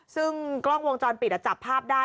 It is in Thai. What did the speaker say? ซึ่งกล้องวงจรปิดจับภาพได้